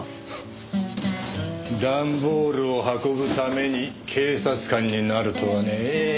段ボールを運ぶために警察官になるとはね。